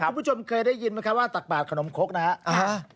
คุณผู้ชมเคยได้ยินไหมครับว่าตักบาดขนมคกนะฮะ